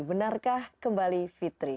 benarkah kembali fitri